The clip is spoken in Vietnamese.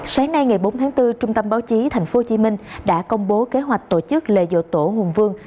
sáng nay ngày bốn tháng bốn trung tâm báo chí tp hcm đã công bố kế hoạch tổ chức lễ dỗ tổ hùng vương